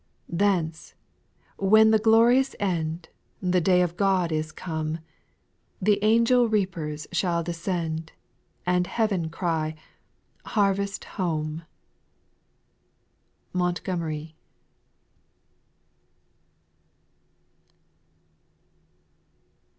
7. Thence, when the glorious end, The day of God is come. The angel reapers shall descend, And heaven cry, " Harvest home." MOirrGOMEBT.